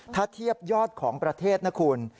ถ้าเทียบยอดของประเทศนะคุณ